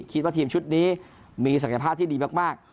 คิดว่าทีมชุดนี้มีศักยภาพที่ดีมาก